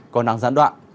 có nắng giãn đoạn